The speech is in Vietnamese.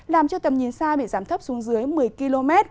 làm cho tầm nhìn xa bị giảm thấp xuống dưới một mươi km